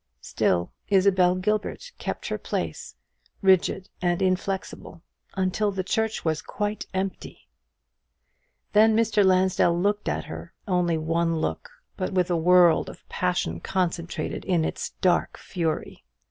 Still Isabel Gilbert kept her place, rigid and inflexible, until the church was quite empty! Then Mr. Lansdell looked at her only one look but with a world of passion concentrated in its dark fury.